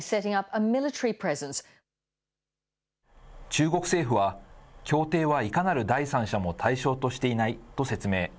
中国政府は、協定はいかなる第三者も対象としていないと説明。